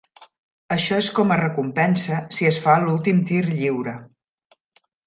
Això és com a recompensa si es fa l'últim tir lliure.